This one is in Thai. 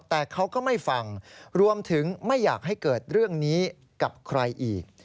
แต่เขาก็ไม่ฟังรวมถึงไม่อยากให้เกิดเรื่องนี้กับใครอีก